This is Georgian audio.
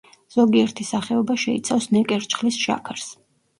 ზოგიერთი სახეობა შეიცავს „ნეკერჩხლის შაქარს“.